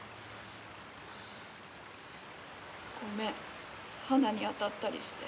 ごめん花に当たったりして。